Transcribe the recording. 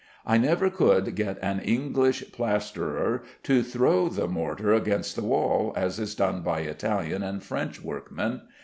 I never could get an English plasterer to throw the mortar against the wall, as is done by Italian and French workmen.